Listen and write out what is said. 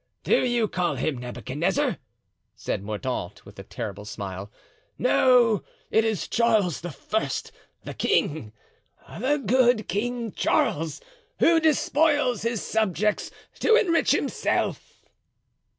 "Do you call him Nebuchadnezzar?" said Mordaunt, with a terrible smile; "no, it is Charles the First, the king, the good King Charles, who despoils his subjects to enrich himself."